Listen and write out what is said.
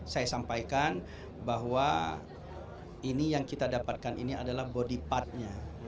saya sampaikan bahwa ini yang kita dapatkan ini adalah body partnya